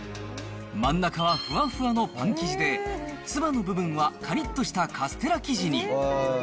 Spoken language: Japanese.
真ん中はふわふわのパン生地で、つばの部分はかりっとしたカステラ生地に。